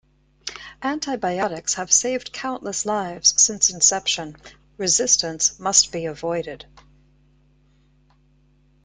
Anti-biotics have saved countless lives since inception, resistance must be avoided.